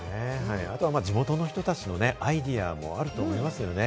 あとは地元の人たちのアイデアもあると思いますね。